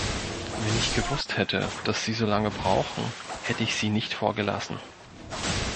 Wenn ich gewusst hätte, dass Sie so lange brauchen, hätte ich Sie nicht vorgelassen!